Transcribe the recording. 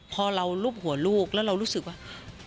พอเรารูปหัวลูกแล้วเรารู้สึกว่า